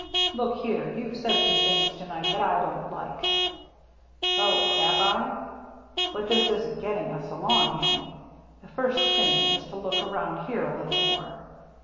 ^ Look here, yooVe said s<Mne diings to night that I don't like." •* Oh, have I ? But this isn't getting us along any. The first thing is to look around here a litde more.